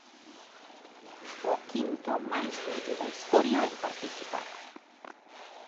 O quinto máis vello da historia en participar.